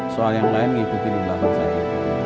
soal yang lain ngikuti di belakang saya